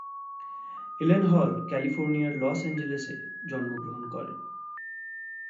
ইলেনহল ক্যালিফোর্নিয়ার লস এঞ্জেলেসে জন্মগ্রহণ করেন।